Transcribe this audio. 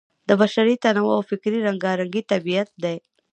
د بشري تنوع او فکري رنګارنګۍ طبیعت دی.